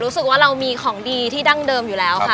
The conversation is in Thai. รู้สึกว่าเรามีของดีที่ดั้งเดิมอยู่แล้วค่ะ